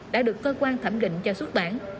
đã được cơ quan thẩm định cho xuất bản